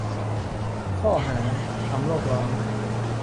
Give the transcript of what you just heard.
ข้อหา : ทำโลกร้อน.